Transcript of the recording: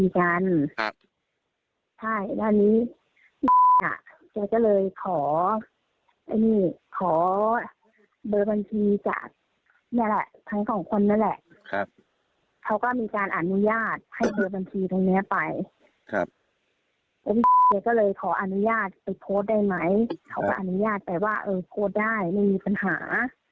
แกก็เลยขออนุญาตไปโพสต์ได้ไหมเขาก็อนุญาตไปว่าเออโพสต์ได้ไม่มีปัญหา